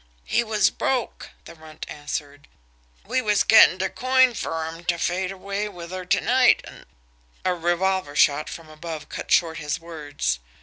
"He was broke," the Runt answered. "We was gettin' de coin fer him ter fade away wid ter night, an' " A revolver shot from above cut short his words.